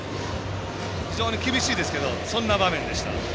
非常に厳しいですけどそんな場面でした。